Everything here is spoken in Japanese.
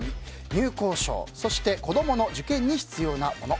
入校証、そして子供の受験に必要なもの。